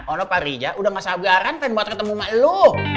karena pak rija udah gak sabaran pengen ketemu sama lu